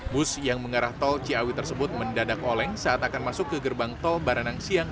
bus yang mengarah tol ciawi tersebut mendadak oleng saat akan masuk ke gerbang tol baranang siang